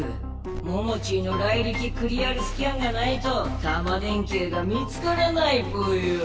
モモチーのライリキ・クリアルスキャンがないとタマ電Ｑが見つからないぽよ！